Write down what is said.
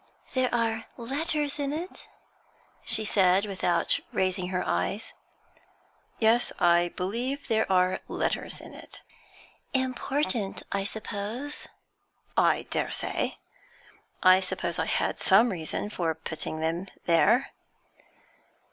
'There are letters in it?' she said, without raising her eyes. 'Yes, I believe there are letters in it.' 'Important, I suppose?' 'I daresay; I suppose I had some reason for putting them there.'